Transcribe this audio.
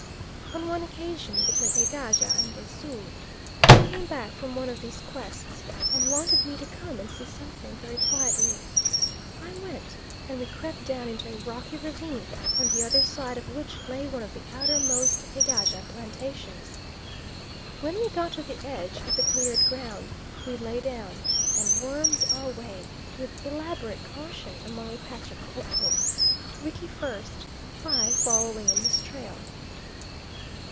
On one occasion, between Egaja and Esoon, he came back from one of these quests and wanted me to come and see something, very quietly; I went, and we crept down into a rocky ravine, on the other side of which lay one of the outermost Egaja plantations. When we got to the edge of the cleared ground, we lay down, and wormed our way, with elaborate caution, among a patch of Koko; Wiki first, I following in his trail.